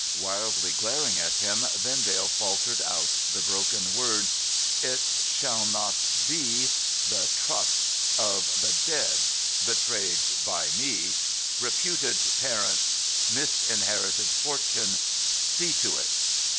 Wildly glaring at him, Vendale faltered out the broken words :' It shall not be— the trust — ^of the dead — betrayed by me — reputed parents — misinherited fortune — see to it